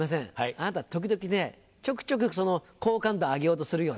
あなた時々ねちょくちょくその好感度上げようとするよね。